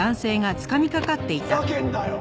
ふざけんなよ！